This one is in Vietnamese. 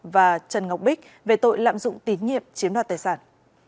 và trần ngọc bích về tội lạm dụng tín nhiệm chiếm đoạt tài sản